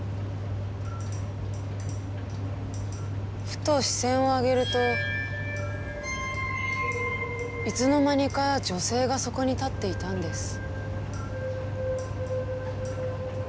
ふと視線を上げるといつの間にか女性がそこに立っていたんです。